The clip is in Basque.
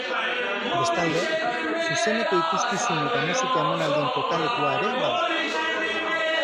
Bestalde, zuzeneko ikuskizun eta musika emanaldien kokalekua ere bada.